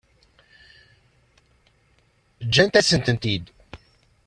Ǧǧant-asen-tent-id.